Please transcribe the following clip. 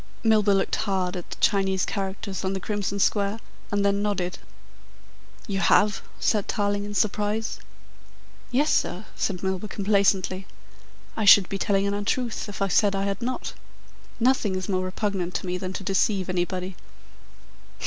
Milburgh looked hard at the Chinese characters on the crimson square, and then nodded. "You have?" said Tarling in surprise. "Yes, sir," said Mr. Milburgh complacently. "I should be telling an untruth if I said I had not. Nothing is more repugnant to me than to deceive anybody."